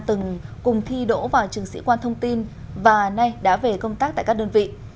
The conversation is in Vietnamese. từng cùng thi đỗ vào trường sĩ quan thông tin và nay đã về công tác tại các đơn vị